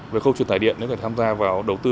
với khâu truyền tài điện thì có thể tham gia vào đầu tư